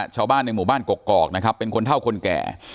ชาวบ้านในหมู่บ้านกกอกนะครับเป็นคนเท่าคนแก่